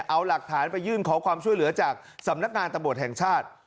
เอาหลักฐานไปยื่นขอความช่วยเหลือจากสำนักงานตำรวจแห่งชาติ